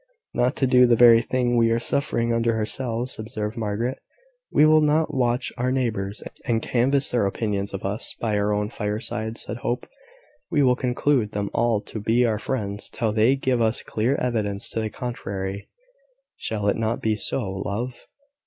"Not to do the very thing we are suffering under ourselves," observed Margaret. "We will not watch our neighbours, and canvass their opinions of us by our own fireside," said Hope. "We will conclude them all to be our friends till they give us clear evidence to the contrary. Shall it not be so, love?"